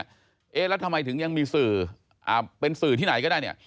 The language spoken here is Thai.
เอ๊ะแล้วทำไมถึงยังมีสื่อเป็นสื่อที่ไหนก็ได้เนี่ย